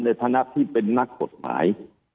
ในฐานะที่เป็นนักกฎหมาย